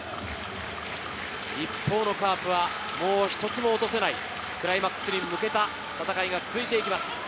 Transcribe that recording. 一方のカープはもう一つも落とせないクライマックスシリーズに向けた戦いが続いています。